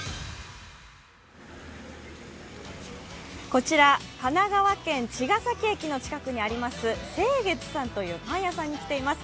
こちら、神奈川県茅ヶ崎駅の近くにあります清月さんといパン屋さんに来ております。